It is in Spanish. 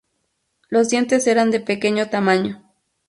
Los dientes eran de pequeño tamaño.